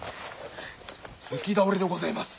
行き倒れでございます。